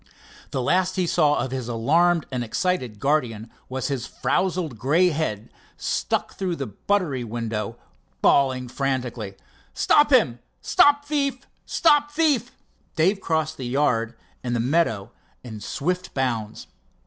The last he saw of his alarmed and excited guardian was his frowsled grey head stuck through the buttery window, bawling frantically: "Stop him! stop thief! stop thief!" Dave crossed the yard and the meadow in swift bounds.